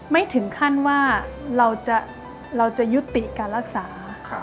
ไม่ถึงขั้นว่าเราจะยุติการรักษา